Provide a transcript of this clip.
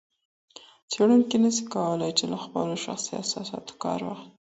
څېړونکی نسي کولای چي له خپلو شخصي احساساتو کار واخلي.